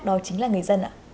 đó chính là người dân ạ